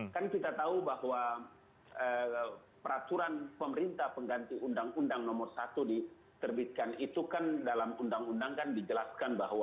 kan kita tahu bahwa peraturan pemerintah pengganti undang undang nomor satu diterbitkan itu kan dalam undang undang kan dijelaskan bahwa